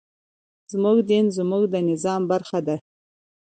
زموږ دين زموږ د نظام برخه ده.